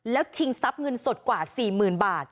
แล้วชิงทรัพย์เงินสดกว่า๔๐๐๐บาท